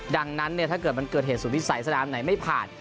ดังนั้นถ้าเกิดมันเกิดเหตุสุดวิสัยสนามไหนไม่ผ่าน